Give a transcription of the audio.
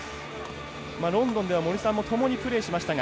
ロンドンでは森さんも共にプレーしましたか？